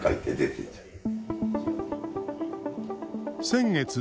先月